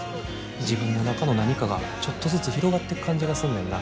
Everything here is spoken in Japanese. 自分の中の何かがちょっとずつ広がってく感じがすんねんな。